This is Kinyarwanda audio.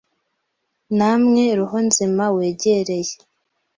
Namwe roho nzima wegereye